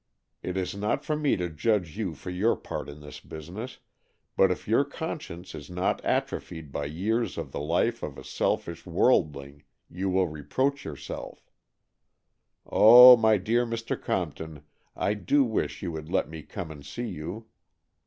It is not for me to judge you for your part in this business, but if your conscience is not atrophied by years of the life of a selfish worldling, you will reproach yourself. Oh, my dear Mr. Compton, I do wish you would let me come and see you.